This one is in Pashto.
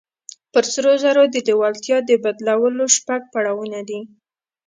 پر سرو زرو د لېوالتیا د بدلولو شپږ پړاوونه دي.